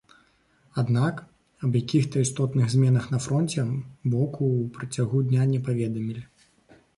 Аднак, аб якіх-то істотных зменах на фронце боку ў працягу дня не паведамілі.